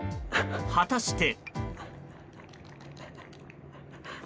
果たして。